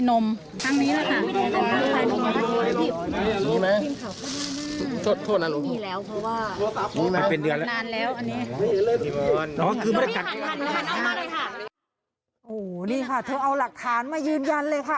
โอ้โหนี่ค่ะเธอเอาหลักฐานมายืนยันเลยค่ะ